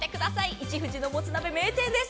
一藤のもつ鍋、名店です。